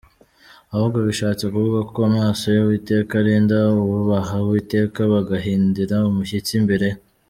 ahubwo bishatse kuvuga ko amaso y'Uwiteka arinda abubaha Uwiteka bagahindira umushyitsi imbere ye.